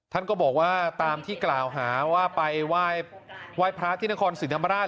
ท่านก็บอกว่าตามที่กล่าวหาว่าไปว่ายพระอาทิตย์ที่นครสินามราช